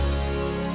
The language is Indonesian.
lalu mencari kakak